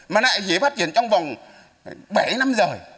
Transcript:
mà lại dễ phát triển trong vòng bảy năm rồi